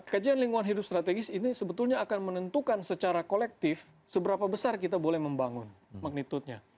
kajian lingkungan hidup strategis ini sebetulnya akan menentukan secara kolektif seberapa besar kita boleh membangun magnitudenya